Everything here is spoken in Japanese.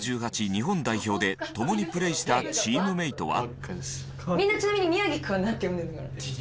日本代表で共にプレーしたチームメイトは。